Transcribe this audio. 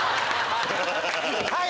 はい！